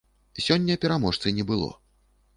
Сёння пераможцы не было.